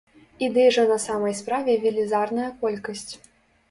Ідэй жа на самай справе велізарная колькасць.